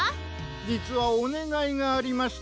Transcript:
じつはおねがいがありまして。